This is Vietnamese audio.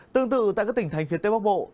tương tự tại các tỉnh thành phía tây bắc bộ